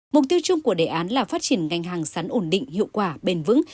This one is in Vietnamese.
mục tiêu chung của đề án là phát triển ngành hàng sắn ổn định hiệu quả bền vững